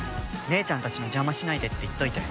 姉ちゃんたちの邪魔しないでって言っといて。